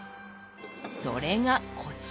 それがこちら。